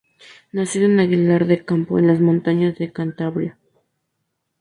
Nacido en Aguilar de Campoo en las montañas de Cantabria.